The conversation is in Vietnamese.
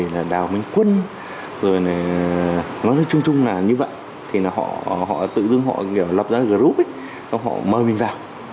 nói chung chung là như vậy tự dưng họ lập ra group họ mời mình vào